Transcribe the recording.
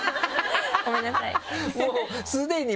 ごめんなさい。